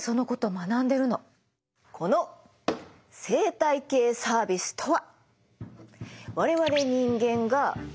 この生態系サービスとは。